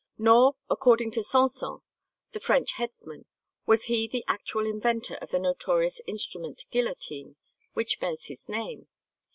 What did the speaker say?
Nor, according to Sanson, the French headsman, was he the actual inventor of the notorious instrument guillotine, which bears his name.